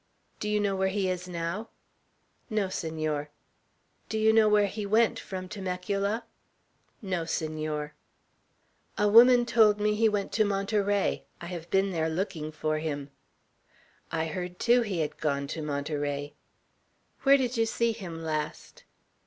"Do you know where he is now?" "No, Senor." "Do you know where he went, from Temecula?" "No, Senor." "A woman told me he went to Monterey. I have been there looking for him." "I heard, too, he had gone to Monterey." "Where did you see him last?"